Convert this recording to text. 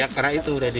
ya karena itu udah di